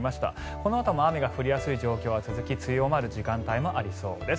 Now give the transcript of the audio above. このあとも雨が降りやすい状況は続き強まる時間帯もありそうです。